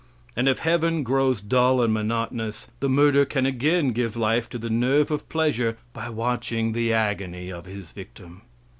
And if heaven grows dull and monotonous, the murderer can again give life to the nerve of pleasure by watching the agony of his victim.